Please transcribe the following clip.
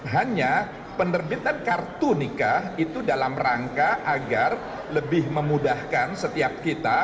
hanya penerbitan kartu nikah itu dalam rangka agar lebih memudahkan setiap kita